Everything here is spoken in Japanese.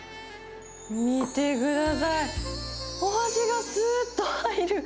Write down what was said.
見てください、お箸がすっと入る。